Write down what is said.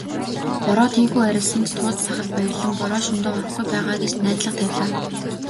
Бороо тийнхүү арилсанд хууз сахалт баярлан "Бороо шөнөдөө орохгүй байгаа" гэж найдлага тавилаа.